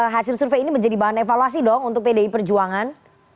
hasil survei ini menjadi bahan evaluasi dong untuk pdi perjuangan